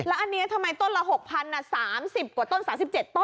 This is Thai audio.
แล้วอันนี้ทำไมต้นละ๖๐๐๐บาท๓๐กว่าต้น๓๗ต้น๒๒๐๐บาท